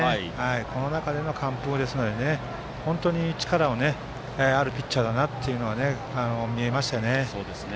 その中での完封ですので本当に力のあるピッチャーだなと見えましたね。